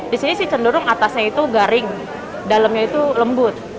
di sini sih cenderung atasnya itu garing dalamnya itu lembut